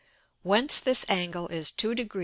Whence this Angle is 2 deg.